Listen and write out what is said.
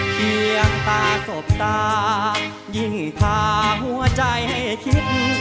เพียงตาสบตายิ่งพาหัวใจให้คิด